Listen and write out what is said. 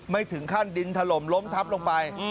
ไม่ถึงขั้นดินถล่มล้มทับลงไป